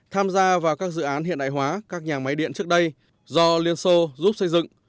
tham gia vào các dự án hiện đại hóa các nhà máy điện trước đây do liên xô giúp xây dựng